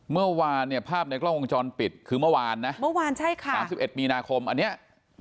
เมื่อวานเนี่ยภาพในกล้องวงจรปิดคือเมื่อวานนะเมื่อวานใช่ค่ะ๓๑มีนาคมอันเนี้ย